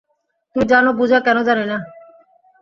তুমি জানো পূজা, কেন জানি না?